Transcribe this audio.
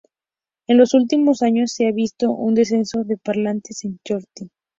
En los últimos años se ha visto un descenso de parlantes en Chortí.